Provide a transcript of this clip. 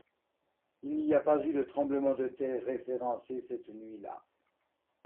Il n’y a pas eu de tremblement de terre référencé cette nuit-là.